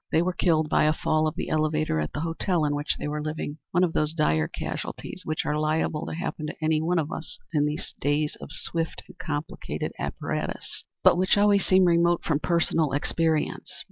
They were killed by a fall of the elevator at the hotel in which they were living one of those dire casualties which are liable to happen to any one of us in these days of swift and complicated apparatus, but which always seem remote from personal experience.